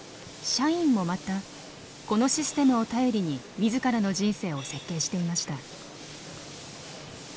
社員もまたこのシステムを頼りに自らの人生を設計していました。